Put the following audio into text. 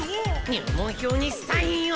入門票にサインを！